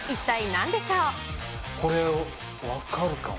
これ、分かるかも。